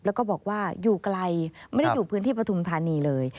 แล้วก็บอกว่าอยู่ไกลไม่ได้อยู่พื้นที่ปฐุมธานีเลย